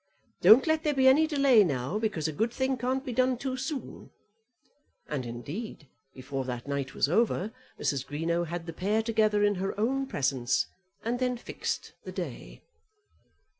Don't let there be any delay now, because a good thing can't be done too soon." And indeed, before that night was over, Mrs. Greenow had the pair together in her own presence, and then fixed the day.